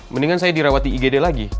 mendingan saya dirawat di igd lagi